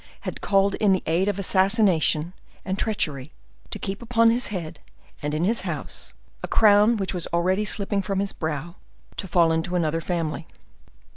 had called in the aid of assassination and treachery to keep upon his head and in his house a crown which was already slipping from his brow, to fall into another family.